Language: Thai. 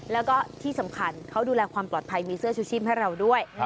แล้วก็ที่สำคัญเขาดูแลความปลอดภัยมีเสื้อชูชีพให้เราด้วย